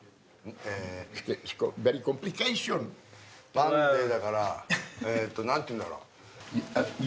マンデーだから何て言うんだろう。